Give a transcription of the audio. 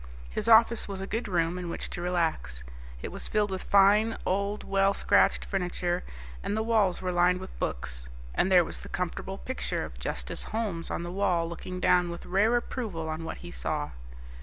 His office was a good room in which to relax. It was filled with fine, old well scratched furniture, and the walls were lined with books, and there was the comfortable picture of Justice Holmes on the wall looking down with rare approval on what he saw.